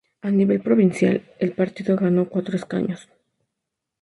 A nivel provincial, el partido ganó cuatro escaños.